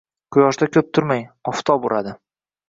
Quyoshda ko'p turmang, oftob uradi